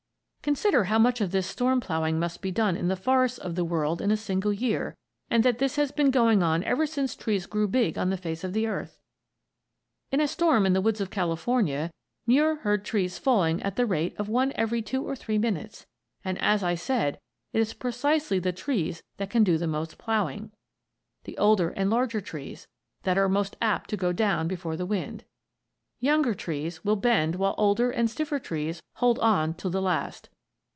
Consider how much of this storm ploughing must be done in the forests of the world in a single year, and that this has been going on ever since trees grew big on the face of the earth. In a storm in the woods of California, Muir heard trees falling at the rate of one every two or three minutes. And, as I said, it is precisely the trees that can do the most ploughing the older and larger trees that are most apt to go down before the wind. Younger trees will bend while older and stiffer trees hold on to the last.